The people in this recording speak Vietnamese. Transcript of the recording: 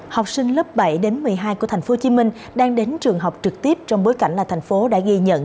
học sinh lớp bảy đến một mươi hai của tp hcm đang đến trường học trực tiếp trong bối cảnh là thành phố đã ghi nhận